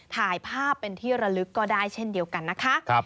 ถ่ายภาพเป็นที่ระลึกก็ได้เช่นเดียวกันนะคะ